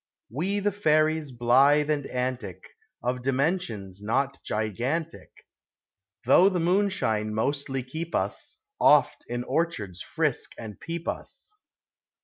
We the fairies blithe and antic, Of dimensions not gigantic, Though the moonshine mostly keep us, Oft in orchards frisk and peep us.